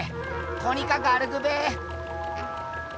とにかく歩くべ。